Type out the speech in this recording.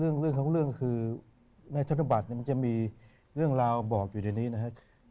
เรื่องของเรื่องคือในธนบัตรมันจะมีเรื่องราวบอกอยู่ในนี้นะครับ